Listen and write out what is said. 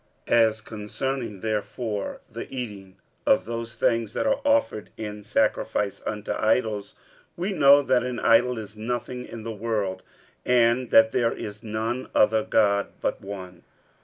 46:008:004 As concerning therefore the eating of those things that are offered in sacrifice unto idols, we know that an idol is nothing in the world, and that there is none other God but one.